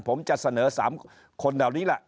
ผมจะเสนอ๓คนแบบนี้ละ